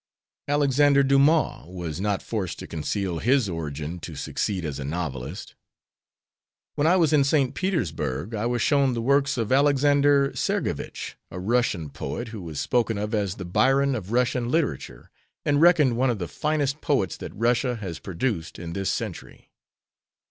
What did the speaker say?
Alexander Dumas was not forced to conceal his origin to succeed as a novelist. When I was in St. Petersburg I was shown the works of Alexander Sergevitch, a Russian poet, who was spoken of as the Byron of Russian literature, and reckoned one of the finest poets that Russia has produced in this century.